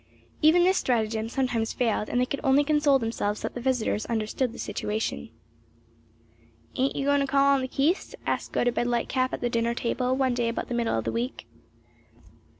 Even this stratagem sometimes failed and they could only console themselves that the visitors understood the situation. "Ain't you goin' to call on the Keiths?" asked Gotobed Lightcap at the dinner table one day about the middle of the week.